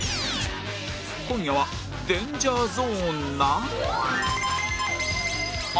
今夜はデンジャー・ゾーンな